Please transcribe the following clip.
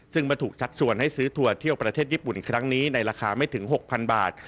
ซึ่งมาถูกชักชวนให้ซื้อทัวร์เที่ยวประเทศญี่ปุ่นครั้งนี้ในราคาไม่ถึง๖๐๐๐บาท